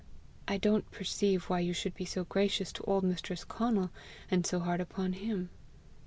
I don't perceive why you should be so gracious to old mistress Conal, and so hard upon him.